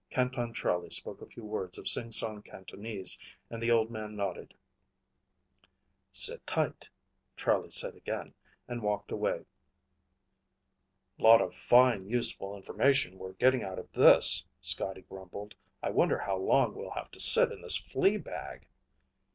Canton Charlie spoke a few words of singsong Cantonese and the old man nodded. "Sit tight," Charlie said again, and walked away. "Lot of fine, useful information we're getting out of this," Scotty grumbled. "I wonder how long we'll have to sit in this flea bag?"